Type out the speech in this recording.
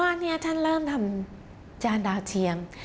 คุณพ่อเนี่ยท่านเริ่มทำจารย์ดาวเทียม